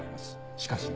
しかしね。